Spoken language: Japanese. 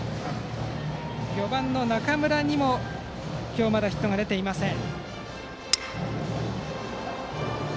４番の中村にも今日まだヒットが出ていません。